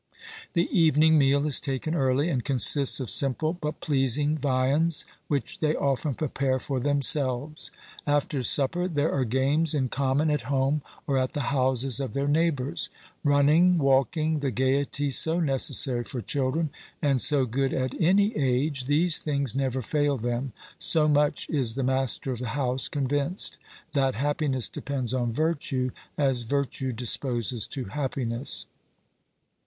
The evening meal is taken early, and consists of simple but pleasing viands, which they often prepare for themselves. After supper there are games in common at home or at the houses of their neighbours ; running, walking, the gaiety so necessary for children, and so good at any age — these things never fail them, so much is the master of the house convinced that happiness depends on virtue, as virtue disposes to happiness.